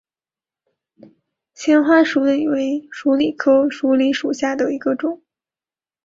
纤花鼠李为鼠李科鼠李属下的一个种。